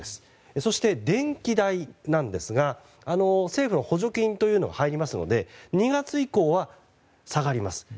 そして、電気代なんですが政府の補助金が入りますので２月以降は下がります。